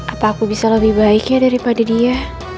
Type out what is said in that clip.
apa aku bisa lebih baiknya daripada dia